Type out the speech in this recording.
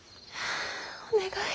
お願い。